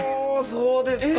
そうですか！